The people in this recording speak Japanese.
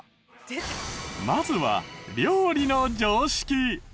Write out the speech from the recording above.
まずは料理の常識。